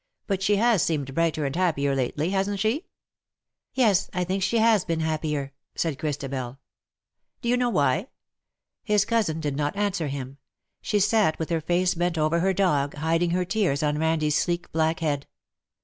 But she has seemed brighter and happier lately, hasn^t she r' ^' Yes, I think she has been happier,^^ said Christabel. " Do you know why ?'' His cousin did not answer him. She sat with her face bent over her dog, hiding her tears on Randie^s sleek black head.